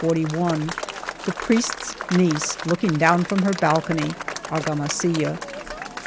,40 The priesfs niece looking down from her balcony (Argamasilla)